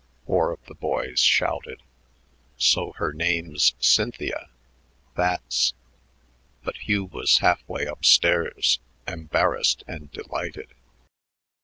four of the boys shouted. "So her name's Cynthia. That's " But Hugh was half way up stairs, embarrassed and delighted.